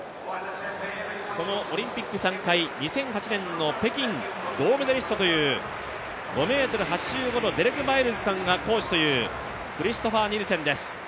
そのオリンピック３回、２００８年の北京銅メダリストという５ｍ８５のデレク・マイルズさんがコーチというクリストファー・ニルセンです。